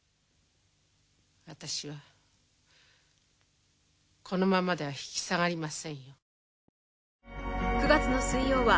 私はこのままでは引き下がりませんよ。